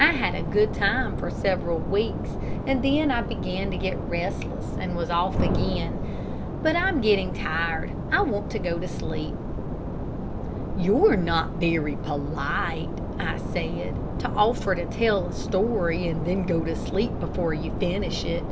I had a good time for several weeks, and then I began to get restless and was off again. But I'm getting tired; I want to go to sleep." "You're not very polite," I said, "to offer to tell a story, and then go to sleep before you finish it."